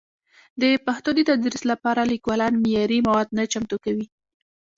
د پښتو د تدریس لپاره لیکوالان معیاري مواد نه چمتو کوي.